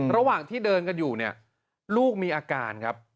ระหว่างที่เดินกันอยู่เนี่ยลูกมีอาการครับ